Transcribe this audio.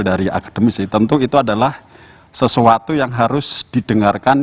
dari akademisi tentu itu adalah sesuatu yang harus didengarkan